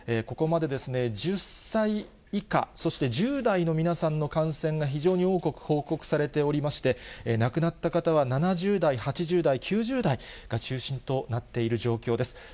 ここまでですね、１０歳以下、そして１０代の皆さんの感染が非常に多く報告されておりまして、亡くなった方は７０代、８０代、９０代が中心となっている状況です。